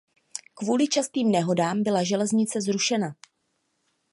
Kvůli častým nehodám byla železnice zrušena.